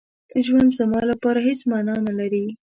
ژوند زما لپاره هېڅ مانا نه لري.